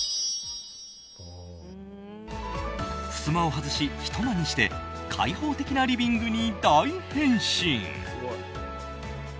ふすまを外し、１間にして開放的なリビングに大変身。